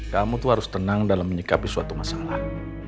kamu tuh harus tenang dalam menyikapi suatu masalah